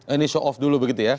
ini show off dulu begitu ya